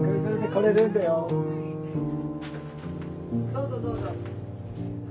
どうぞどうぞ。